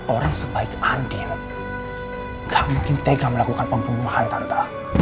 orang sebaik andin gak mungkin tega melakukan pembunuhan tante